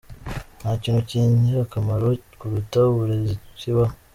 Nta kintu cy’ingirakamaro kuruta uburezi kibaho.